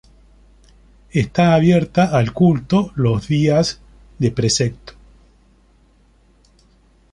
Está abierta al culto los días de precepto.